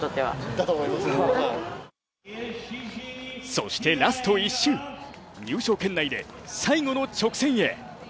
そしてラスト１周、入賞圏内で最後の直線へ。